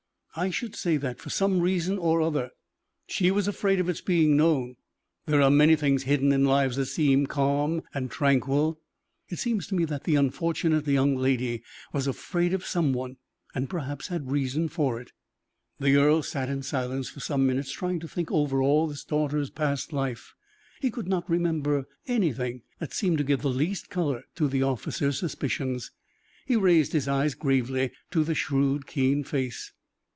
"I should say that, for some reason or other, she was afraid of its being known. There are many things hidden in lives that seem calm and tranquil; it seems to me that the unfortunate young lady was afraid of some one, and perhaps had reason for it." The earl sat in silence for some minutes, trying to think over all his daughter's past life; he could not remember anything that seemed to give the least color to the officer's suspicions. He raised his eyes gravely to the shrewd, keen face.